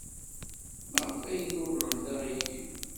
Maɣef ay tuḍnemt aɣilif?